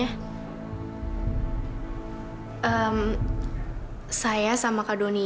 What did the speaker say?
ada yang kecilnya